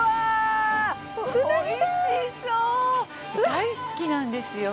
大好きなんですよ